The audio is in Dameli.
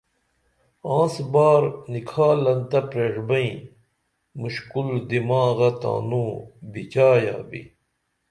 آنسبار نِکھالن تہ پریݜبئیں مُشکُل دماغہ تاںوں بِچایا بی